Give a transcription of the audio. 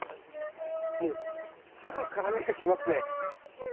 もうすぐ辛味がきますね。